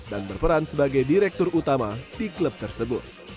dan berperan sebagai direktur utama di klub tersebut